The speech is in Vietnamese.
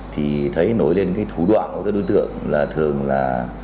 thì thấy nối lên thủ đoạn của các đối tượng là thường là